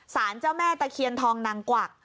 สารเจ้าแม่ตะเคียนทองนางกวัก